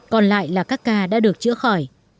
còn lại là các ca đã được chữa khỏi